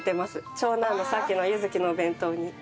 長男のさっきの悠月のお弁当に。